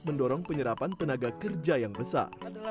mendorong penyerapan tenaga kerja yang besar